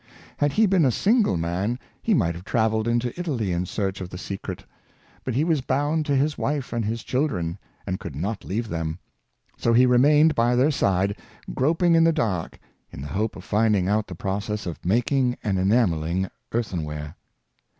Had he been a single man he might have traveled into Italy in search of the secret; but he was bound to his wife and his children, and could not leave them; so he remained by their side, groping in the dark, in the hope of finding out the process of mak ing and enamelling earthenware.